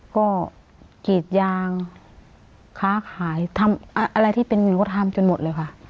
ก็กรีดยางค้าขายทำอะไรที่เป็นอยู่ก็ทำจนหมดเลยค่ะ